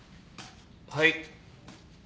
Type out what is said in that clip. はい。